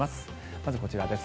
まずこちらです。